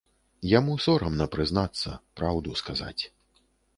Яму сорамна прызнацца, праўду сказаць.